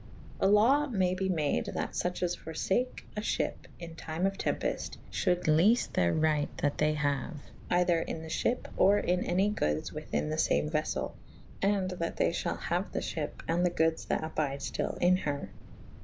A lawe maye be made that luche as forfake a fhyppe in tyme of tempeit fhulde lefe theyr n ght that they haue / eyther in the fhyppe or in any goodes within the lame veffell /& that they fhall haue the ihyp cSc the goodes that abyde ftyll in her.